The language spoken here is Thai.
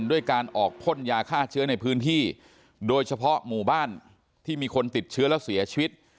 ด้วยการออกพ่นยาฆ่าเชื้อในพื้นที่โดยเฉพาะหมู่บ้านที่มีคนติดเชื้อแล้วเสียชีวิต